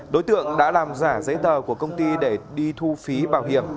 đối tượng đã làm giả giấy tờ của công ty để đi thu phí bảo hiểm